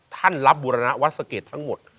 ท่านรับบุรณวัดสะเกดทั้งหมด